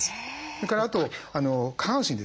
それからあと下半身ですね。